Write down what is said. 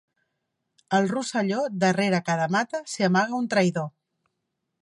Al Rosselló, darrere cada mata s'hi amaga un traïdor.